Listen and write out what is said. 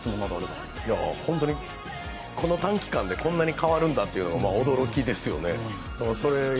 この短期間でこんなに変わるんだっていう驚きですよね。